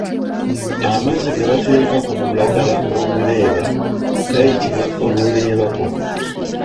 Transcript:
Amazzi ge bateeka ku lulagala oluleeba gayitibwa Oluleebago.